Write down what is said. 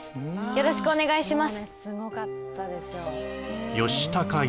よろしくお願いします